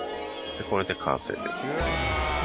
これで完成です。